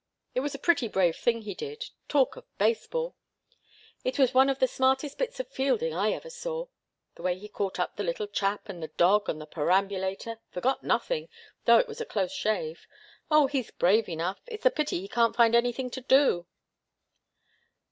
It was a pretty brave thing he did talk of baseball! It was one of the smartest bits of fielding I ever saw the way he caught up the little chap, and the dog and the perambulator forgot nothing, though it was a close shave. Oh he's brave enough! It's a pity he can't find anything to do."